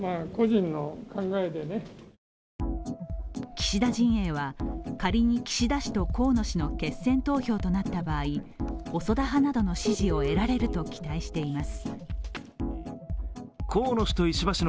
岸田陣営は、仮に岸田氏と河野氏の決選投票となった場合細田派などの支持を得られると期待しています。